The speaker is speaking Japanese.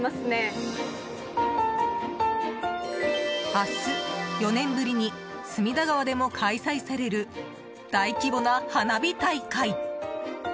明日、４年ぶりに隅田川でも開催される大規模な花火大会。